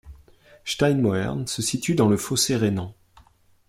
Steinmauern se situe dans le Fossé rhénan.